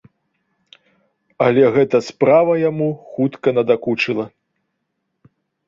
Але гэтая справа яму хутка надакучыла.